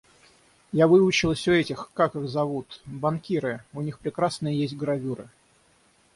Я выучилась у этих, как их зовут... банкиры... у них прекрасные есть гравюры.